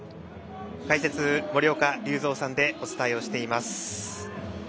解説、森岡隆三さんでお伝えしています。